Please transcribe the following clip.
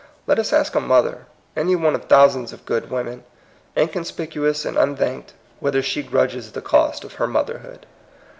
Let us ask a mother, any o^e of thousands of good women, inconspicuous and unthanked, whether she grudges the cost of her motherhood.